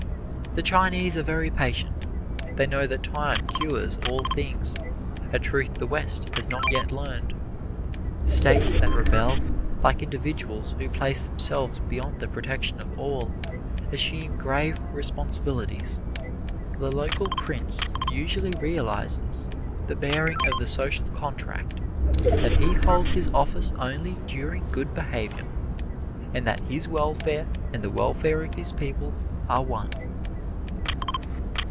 The Chinese are very patient they know that time cures all things, a truth the West has not yet learned. States that rebel, like individuals who place themselves beyond the protection of all, assume grave responsibilities. The local prince usually realizes the bearing of the Social Contract that he holds his office only during good behavior, and that his welfare and the welfare of his people are one.